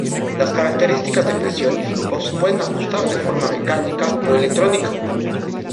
Las características de presión y flujo se pueden ajustar de forma mecánica o electrónica.